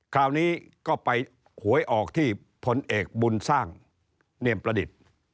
คราวนี้ก็ไปหวยออกที่พลเอกบุญสร้างเนียมประดิษฐ์